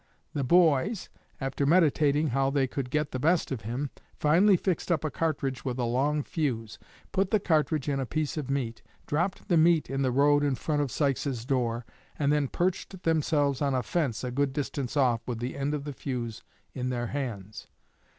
The boys, after meditating how they could get the best of him, finally fixed up a cartridge with a long fuse, put the cartridge in a piece of meat, dropped the meat in the road in front of Sykes's door, and then perched themselves on a fence a good distance off with the end of the fuse in their hands.